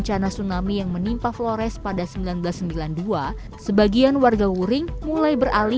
kwiat nep flora yang siasat